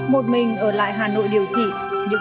một mình ở lại hà nội điều trị